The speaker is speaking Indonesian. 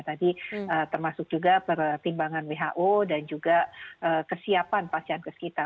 tadi termasuk juga pertimbangan who dan juga kesiapan pasien kita